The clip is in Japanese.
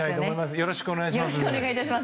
よろしくお願いします。